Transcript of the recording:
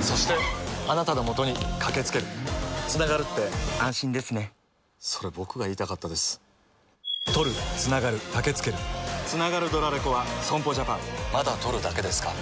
そして、あなたのもとにかけつけるつながるって安心ですねそれ、僕が言いたかったですつながるドラレコは損保ジャパンまだ録るだけですか？